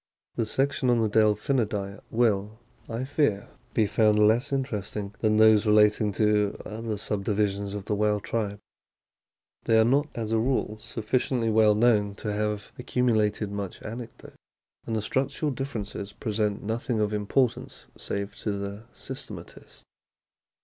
The section on the Delphinidae will, I fear, be found less interesting than those relating to other subdivisions of the whale tribe. They are not, as a rule, sufficiently well known to have accumulated much anecdote ; and the structural differences present nothing of importance save to the systematist.